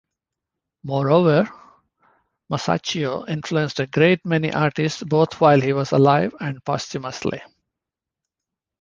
Moreover, Masaccio influenced a great many artists both while he was alive and posthumously.